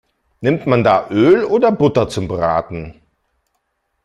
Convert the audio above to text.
Nimmt man da Öl oder Butter zum Braten?